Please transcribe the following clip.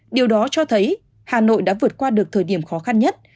điều đó cho thấy hà nội đã vượt qua được thời điểm khó khăn nhất